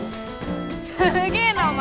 すげーなお前！